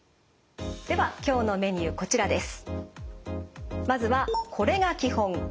では今日のメニューこちらです。